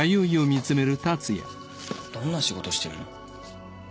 どんな仕事してるの？